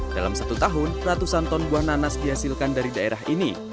dalam satu tahun ratusan ton buah nanas dihasilkan dari daerah ini